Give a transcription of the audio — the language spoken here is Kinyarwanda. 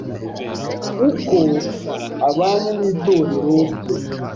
uko abanye n’itorero rye